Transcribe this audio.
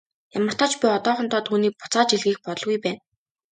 Ямартаа ч би одоохондоо түүнийг буцааж илгээх бодолгүй байна.